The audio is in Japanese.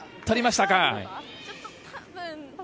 取りましたか。